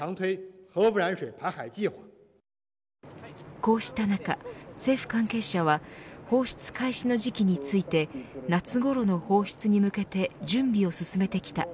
こうした中、政府関係者は放出開始の時期について夏ごろの放出に向けて準備を進めてきた。